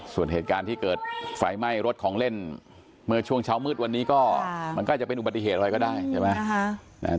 ส่วนเหตุการณ์ที่เกิดไฟไหม้รถของเล่นเมื่อช่วงเช้ามืดวันนี้ก็มันก็อาจจะเป็นอุบัติเหตุอะไรก็ได้ใช่ไหม